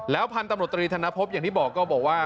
แล้วพนตรทนพอยังที่บอกคือ